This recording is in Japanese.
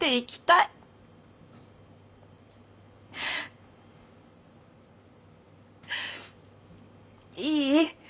いい？